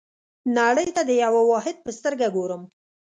نړۍ ته د یوه واحد په سترګه ګورم.